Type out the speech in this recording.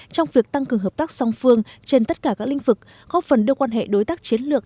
trong việc tăng cường hợp tác song phương trên tất cả các lĩnh vực góp phần đưa quan hệ đối tác chiến lược